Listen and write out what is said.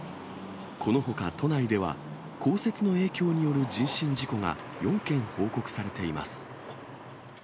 このほか、都内では、降雪の影響による人身事故が４件報告されています。